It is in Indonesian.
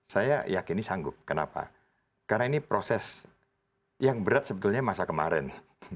saya yakini sanggup kenapa karena ini proses yang berat sebetulnya masa kemarin